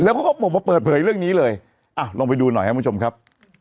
เขาก็ออกมาเปิดเผยเรื่องนี้เลยอ่ะลองไปดูหน่อยครับคุณผู้ชมครับ